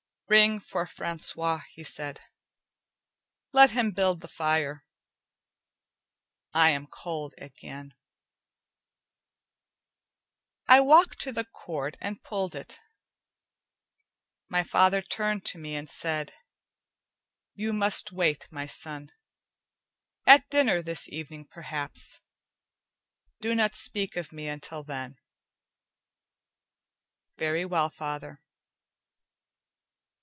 "Ring for Francois," he said. "Let him build the fire. I am cold, Etienne." I walked to the cord and pulled it. My father turned to me and said: "You must wait, my son. At dinner this evening, perhaps. Do not speak of me until then." "Very well, father."